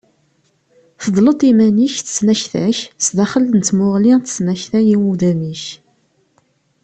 Tedleḍ iman-ik d tesnakta-k sdaxel n tmuɣli d tesnakta n yiwudam-ik.